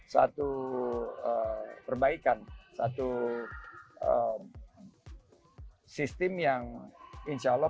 satu perbaikan satu sistem yang insya allah